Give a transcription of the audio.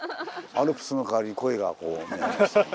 アルプスの代わりにコイがこうね。